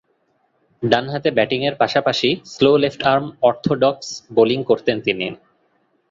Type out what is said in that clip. ডানহাতে ব্যাটিংয়ের পাশাপাশি স্লো লেফট-আর্ম অর্থোডক্স বোলিং করতেন তিনি।